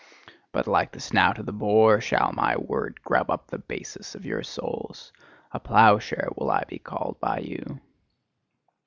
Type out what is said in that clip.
But like the snout of the boar shall my word grub up the basis of your souls; a ploughshare will I be called by you.